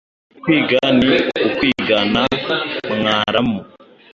Kwiga ni ukwigana mwaramu